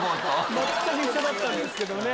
全く一緒だったんですけどね。